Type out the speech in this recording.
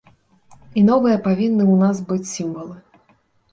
І новыя павінны ў нас быць сімвалы.